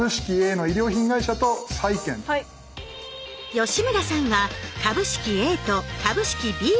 吉村さんは株式Ａと株式Ｂをチョイス。